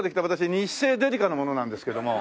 ニッセーデリカの者なんですけども。